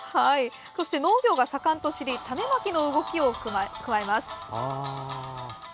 農業が盛んと知り種まきの動きを加えます。